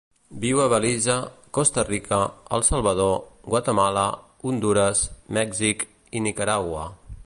Viu a Belize, Costa Rica, El Salvador, Guatemala, Hondures, Mèxic i Nicaragua.